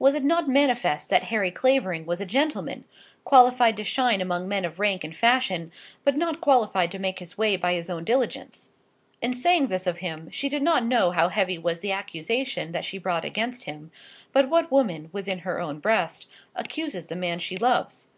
Was it not manifest that Harry Clavering was a gentleman, qualified to shine among men of rank and fashion, but not qualified to make his way by his own diligence? In saying this of him, she did not know how heavy was the accusation that she brought against him; but what woman, within her own breast, accuses the man she loves?